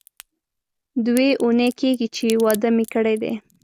دوې اونۍ کېږي چې واده مې کړی دی.